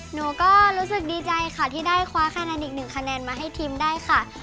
หนูก็รู้สึกดีใจค่ะที่ได้คว้าคะแนนอีกหนึ่งคะแนนมาให้ทีมได้ค่ะ